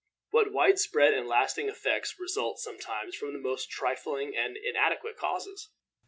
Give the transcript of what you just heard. What wide spread and lasting effects result sometimes from the most trifling and inadequate causes!